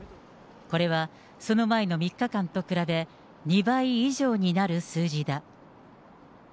これはその前の３日間と比べ、２倍以上になる数字だ。